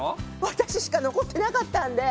私しか残ってなかったんで。